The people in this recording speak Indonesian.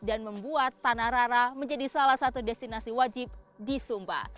dan membuat tanah rara menjadi salah satu destinasi wajib di sumba